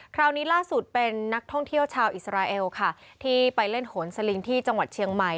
คราวนี้ล่าสุดเป็นนักท่องเที่ยวชาวอิสราเอลค่ะที่ไปเล่นโหนสลิงที่จังหวัดเชียงใหม่